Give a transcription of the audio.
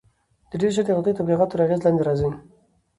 ډېر ژر د غلطو تبلیغاتو تر اغېز لاندې راځي.